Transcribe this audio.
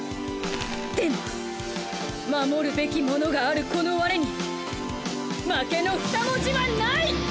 でも守るべき者があるこの我に「負け」の二文字はない！